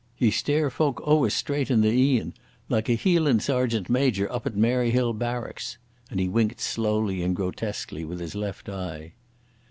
Ye stare folk ower straight in the een, like a Hieland sergeant major up at Maryhill Barracks." And he winked slowly and grotesquely with his left eye.